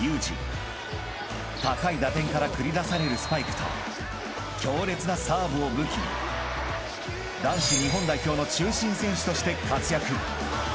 ［高い打点から繰り出されるスパイクと強烈なサーブを武器に男子日本代表の中心選手として活躍］